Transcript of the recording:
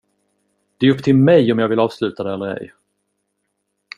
Det är upp till mig om jag vill avsluta det eller ej!